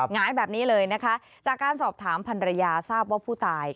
หงายแบบนี้เลยนะคะจากการสอบถามพันรยาทราบว่าผู้ตาย